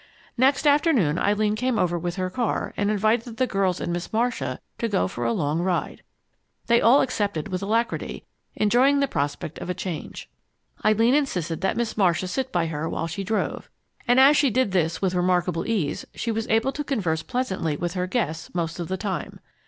Next afternoon, Eileen came over with her car and invited the girls and Miss Marcia to go for a long ride. They all accepted with alacrity, enjoying the prospect of a change. Eileen insisted that Miss Marcia sit by her while she drove. And as she did this with remarkable ease, she was able to converse pleasantly with her guests most of the time.